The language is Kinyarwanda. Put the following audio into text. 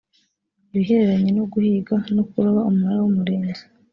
ibihereranye no guhiga no kuroba umunara w umurinzi